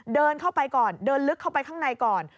เดินเข้าไปก่อนเดินลึกเข้าไปข้างในก่อน